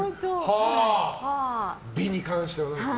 美に関して。